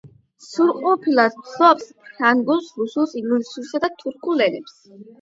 სრულყოფილად ფლობს ფრანგულს, რუსულს, ინგლისურსა და თურქულ ენებს.